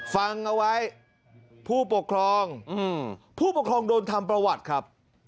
ฟังเอาไว้ผู้ปกครองผู้ปกครองโดนทำประวัติครับ